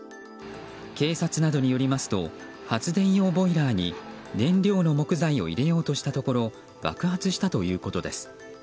警察などによりますと発電用ボイラーに燃料の木材を入れようとしたところ爆発したということです。